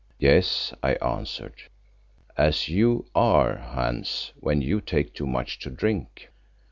"Yes," I answered, "as you are, Hans, when you take too much to drink."